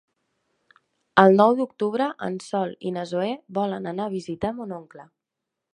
El nou d'octubre en Sol i na Zoè volen anar a visitar mon oncle.